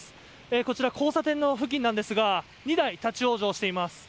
こちら、交差点の付近なんですが２台、立ち往生しています。